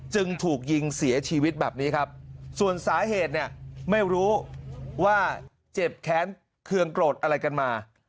จึงถูกยิงเสียชีวิตแบบนี้ครับส่วนสาเหตุเนี่ยไม่รู้ว่าเจ็บแค้นเครื่องโกรธอะไรกันมา